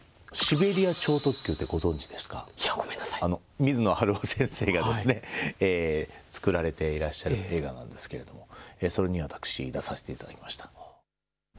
水野晴郎先生がですね、作られていらっしゃる映画なんですけれども、それに私、出させていただきました。